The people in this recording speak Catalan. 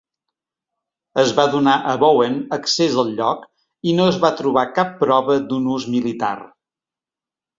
Es va donar a Bowen accés al lloc i no es va trobar cap prova d'un ús militar.